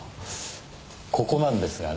ここなんですがね。